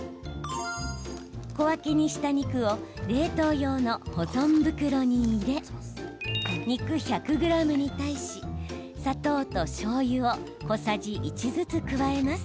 小分けにした肉を冷凍用の保存袋に入れ肉１００ｇに対し砂糖としょうゆを小さじ１ずつ加えます。